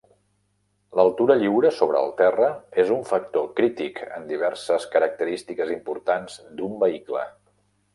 L'altura lliure sobre el terra és un factor crític en diverses característiques importants d'un vehicle.